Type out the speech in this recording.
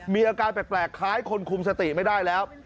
มีอาการแปลกคล้ายคนคุมสติไม่ได้แล้ว